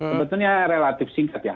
sebetulnya relatif singkat ya